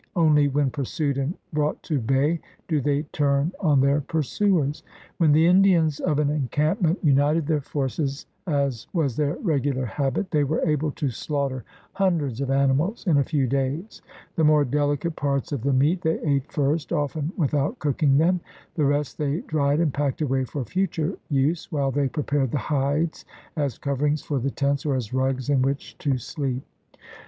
Only when pursued and brought to bay do they turn on their pursuers. When the Indians of an encamp ment united their forces, as was their regular habit, they were able to slaughter hundreds of animals in a few days. The more delicate parts of the meat they ate first, often without cooking them. The rest they dried and packed away for future use, while they prepared the hides as coverings for the tents or as rugs in which to sleep.